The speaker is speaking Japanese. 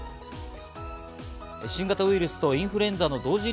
新型ウイルスとインフルエンザの同時